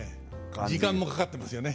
時間もかかってますよね。